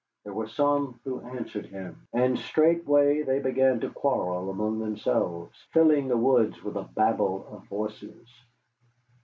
There were some who answered him, and straightway they began to quarrel among themselves, filling the woods with a babel of voices.